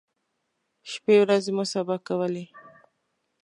شپی ورځې مو سبا کولې.